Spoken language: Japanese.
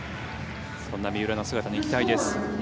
そんな三浦の姿に期待です。